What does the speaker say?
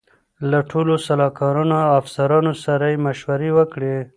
له ټولو سلاکارانو او افسرانو سره یې مشورې وکړې.